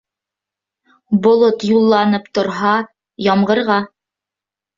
Болот юлланып торһа, ямғырға.